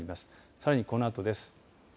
さらに、このあとです。